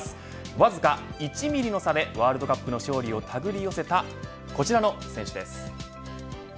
わずか１ミリの差でワールドカップの勝利を手繰り寄せたこちらの選手です。